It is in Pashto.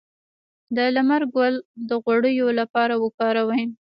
د لمر ګل د غوړیو لپاره وکاروئ